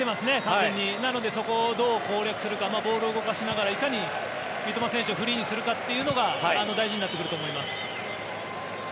なのでそこをどう攻略するかボールを動かしながらいかに三笘選手をフリーにするかというのが大事になってくると思います。